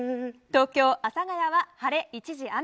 東京・阿佐ヶ谷は晴れ一時雨。